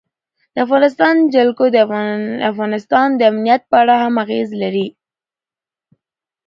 د افغانستان جلکو د افغانستان د امنیت په اړه هم اغېز لري.